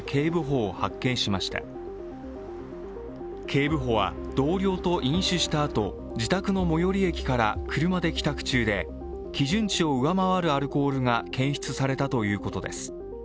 警部補は同僚と飲酒したあと自宅の最寄り駅から車で帰宅中で、基準値を上回るアルコールが検出されたということです。